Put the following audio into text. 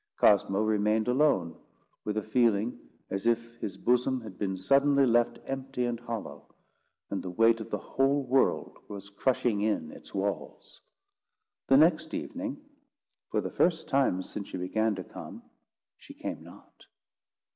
Cosmo remained alone, with a feeling as if his bosom had been suddenly left empty and hollow, and the weight of the whole world was crushing in its walls. The next evening, for the first time since she began to come, she came not.